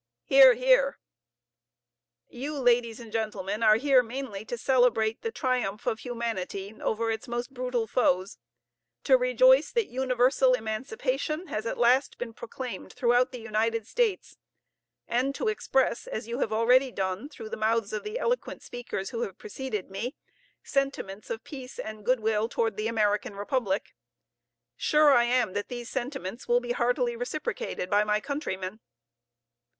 (Hear, hear.) You, ladies and gentlemen, are here mainly to celebrate the triumph of humanity over its most brutal foes; to rejoice that universal emancipation has at last been proclaimed throughout the United States: and to express, as you have already done through the mouths of the eloquent speakers who have preceded me, sentiments of peace and of good will toward the American Republic. Sure I am that these sentiments will be heartily reciprocated by my countrymen.